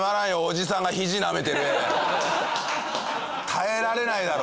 耐えられないだろ